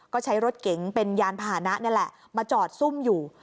ก็ใช้รถเก๋งเป็นยานพาหนะนี่แหละมาจอดซุ่มอยู่